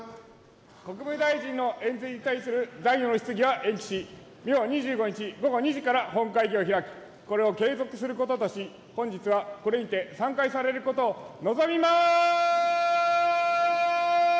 国務大臣の演説に対する残余の質疑は延期し、翌２５日午後２時から本会議を開く、これを継続することとし、本日はこれにて散会されることを望みます。